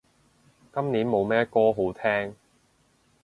今年冇咩歌好聼